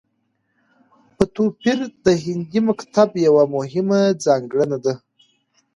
په توپير د هندي مکتب يوه مهمه ځانګړنه ده